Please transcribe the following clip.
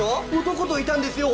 男といたんですよ